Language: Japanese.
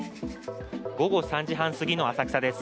午後３時半すぎの浅草です。